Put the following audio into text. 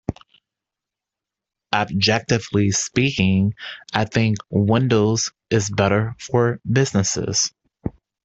Objectively speaking, I think Windows is better for businesses.